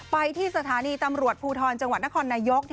ไปที่สถานีตำรวจภูทรจังหวัดนครนายก